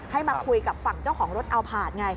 ให้มาคุยกับฝั่งเจ้าของรถอัลพาร์ทไง